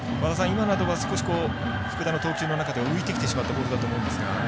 今などは福田の投球の中では浮いてきてしまったボールだと思うんですが。